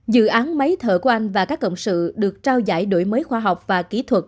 dự án máy thở của anh và các cộng sự được trao giải đổi mới khoa học và kỹ thuật